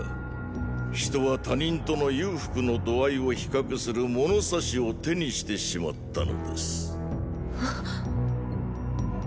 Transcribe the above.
人は他人との裕福の度合いを比較する物差しを手にしてしまったのです。！